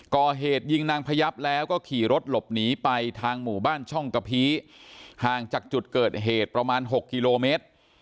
ก่อเหตุยิงนางพยับแล้วก็ขี่รถหลบหนีไปทางหมู่บ้านช่องกะพีห่างจากจุดเกิดเหตุประมาณ๖กิโลเมตร